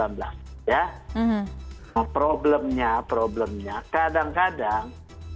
nah problemnya problemnya kadang kadang